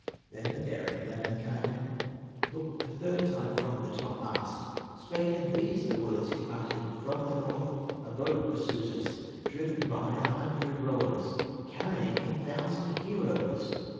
Then the daring Lemminkainen Looked the third time from the topmast, Spake and these the words he uttered: "From the north a boat pursues us, Driven by a hundred rowers, Carrying a thousand heroes!"